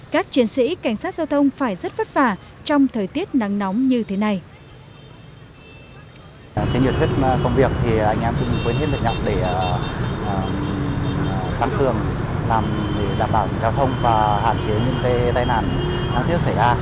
các chiến sĩ cảnh sát giao thông phải rất vất vả trong thời tiết nắng nóng như thế này